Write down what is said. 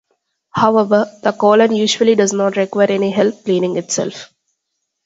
However, the colon usually does not require any help cleaning itself.